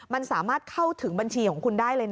มันสามารถเข้าถึงบัญชีของคุณได้เลยนะ